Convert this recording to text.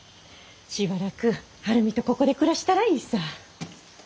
しばらく晴海とここで暮らしたらいいさ。